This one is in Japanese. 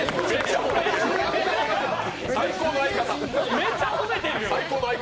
最高の相方や！